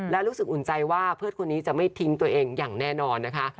และรู้สึกอุ่นใจว่าเพื่อนคนนี้จะไม่ทิ้งตัวเองอย่างแน่นอนนะคะ